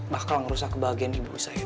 bakal ngerusak kebahagiaan ibu saya